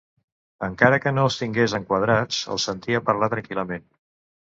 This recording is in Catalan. Encara que no els tingués enquadrats els sentia parlar tranquil·lament.